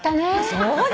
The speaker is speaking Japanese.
そうだよ！